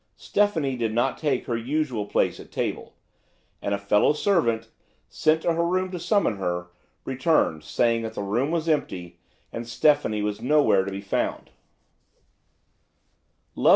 Stephanie did not take her usual place at table, and a fellow servant, sent to her room to summon her returned, saying that the room was empty, and Stephanie was nowhere to be found.